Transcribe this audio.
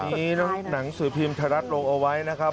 วันนี้หนังสือพิมพ์ไทยรัฐลงเอาไว้นะครับ